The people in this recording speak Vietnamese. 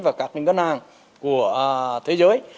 và các ngân hàng của thế giới